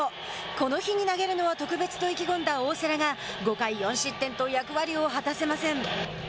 この日に投げるのは特別と意気込んだ大瀬良が５回４失点と役割を果たせません。